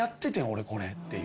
俺これっていう。